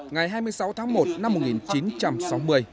ngày hai mươi sáu tháng một năm một nghìn chín trăm sáu mươi